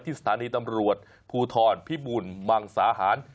สถานีตำรวจภูทรพิบูรมังสาหาร